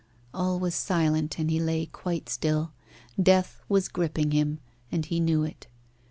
All was silent, and he lay quite still. Death was gripping him, and he knew it.